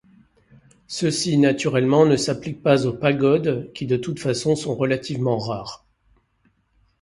Ceci naturellement ne s’applique pas aux pagodes, qui de toute façon sont relativement rares.